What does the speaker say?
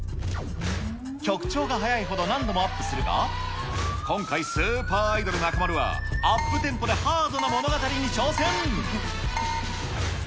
曲調が速いほど、何度もアップするが、今回、スーパーアイドル、中丸は、アップテンポでハードな物語に挑戦。